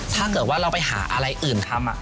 ถ้าเกิดว่าเราไปหาอะไรอื่นทำ